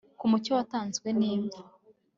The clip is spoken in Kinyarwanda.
Ku mucyo watanzwe nimva